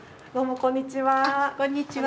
こんにちは。